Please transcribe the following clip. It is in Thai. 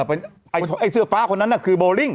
ไอ้เสื้อฟ้าคนนั้นน่ะคือโบลิ่ง